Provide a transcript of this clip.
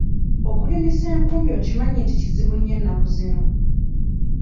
Okulimisa enkumbi okimanyi nti kizibu nnyo ennaku zino?